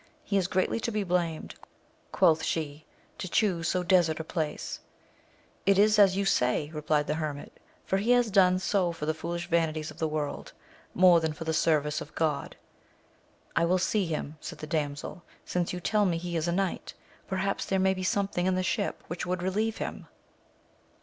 He is greatly to be blamed, quoth she, to chuse so desert a place. It is as you say, replied the hermit, for he has done so for the foolish vanities of the world, more than for the service of Grod. I will see him, said the damsel, since you tell me he is a knight, perhaps there may be something in the ship which would relieve him.